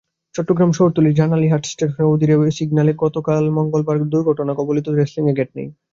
চট্টগ্রাম শহরতলির জানালীহাট স্টেশনের অদূরে বাহির সিগন্যালে গতকাল মঙ্গলবার দুর্ঘটনাকবলিত রেলক্রসিংয়ে গেট নেই।